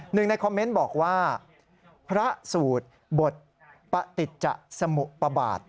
ในคอมเมนต์บอกว่าพระสูตรบทปะติจะสมุปบาท